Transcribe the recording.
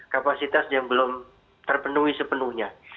kapasitas yang belum terpenuhi sepenuhnya